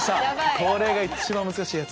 これが一番難しいやつ。